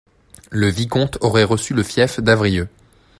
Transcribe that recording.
Le vicomte aurait reçu le fief d'Avrieux.